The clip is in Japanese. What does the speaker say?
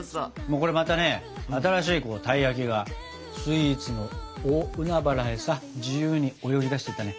これまたね新しいたい焼きがスイーツの大海原へさ自由に泳ぎだしていったね。